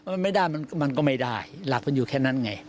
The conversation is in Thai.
มันไม่ได้มันก็ไม่ได้หลักมันอยู่แค่นั้นไง